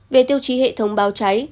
về tiêu chí hệ thống bao cháy